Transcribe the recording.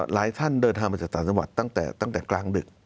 ท่านเดินทางมาจากต่างจังหวัดตั้งแต่กลางดึก